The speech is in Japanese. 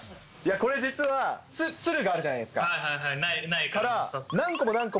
これ、実は、つるがあるじゃないですか。